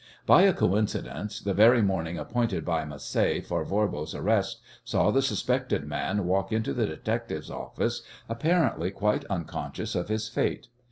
By a coincidence the very morning appointed by Macé for Voirbo's arrest saw the suspected man walk into the detective's office, apparently quite unconscious of his fate.